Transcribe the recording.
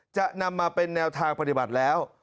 จะนำมาเป็นแนวทางปฏิบัติแล้ว